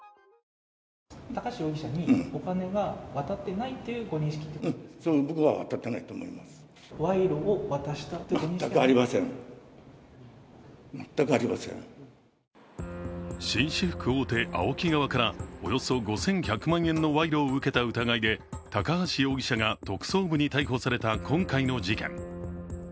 紳士服大手・ＡＯＫＩ側からおよそ５１００万円の賄賂を受けた疑いで高橋容疑者が特捜部に逮捕された今回の事件。